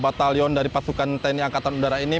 dan sebelumnya tadek dua pewarawan dari tni angkatan udara